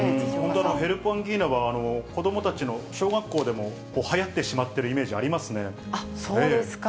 ヘルパンギーナは子どもたちの小学校でもはやってしまっていそうですか。